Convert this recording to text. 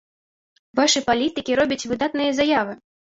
Вашы палітыкі робяць выдатныя заявы.